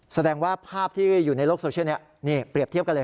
แสดงว่าภาพที่อยู่ในโลกโซเชียลนี้นี่เปรียบเทียบกันเลย